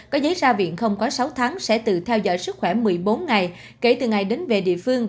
có giấy ra viện không quá sáu tháng sẽ tự theo dõi sức khỏe một mươi bốn ngày kể từ ngày đến về địa phương